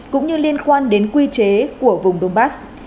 cũng như liên quan đến quy chế của vùng đông bắc